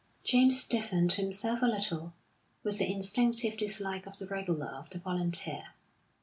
James stiffened himself a little, with the instinctive dislike of the regular for the volunteer.